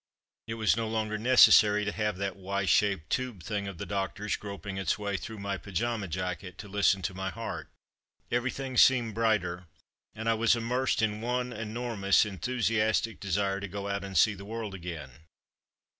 It was no longer necessary to have that Y shaped tube thing of the doctor's,^ groping its way through my pyjama jacket to listen to my heart. Everything seemed brighter, and I was immersed in one enormous, enthusi astic desire to go out and see the world again.